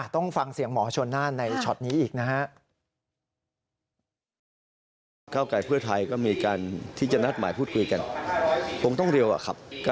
ต้องฟังเสียงหมอชนน่านในช็อตนี้อีกนะฮะ